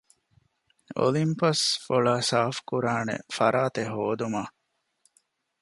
އޮލިމްޕަސް ފޮޅާ ސާފުކުރާނެ ފަރާތެއް ހޯދުމަށް